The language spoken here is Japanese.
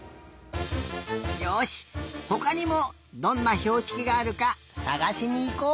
よしほかにもどんなひょうしきがあるかさがしにいこう！